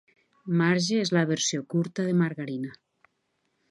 "Marge" es la versió curta de "margarina".